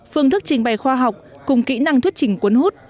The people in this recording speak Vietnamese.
phương thức trình bày khoa học cùng kỹ năng thuyết trình cuốn hút